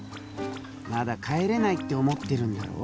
まだ帰れないって思ってるんだろ？